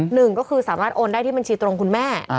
หนึ่งก็คือสามารถโอนได้ที่บัญชีตรงคุณแม่